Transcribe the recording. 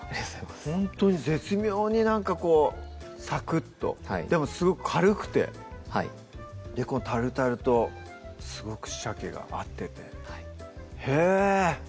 ほんとに絶妙になんかこうサクッとでもすごく軽くてはいこのタルタルとすごくさけが合っててへぇ